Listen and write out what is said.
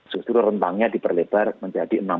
justru rentangnya diperlebar menjadi